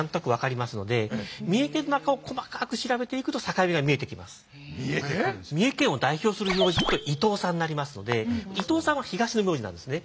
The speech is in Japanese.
それでも大体三重県を代表する名字は伊藤さんになりますので伊藤さんは東の名字なんですね。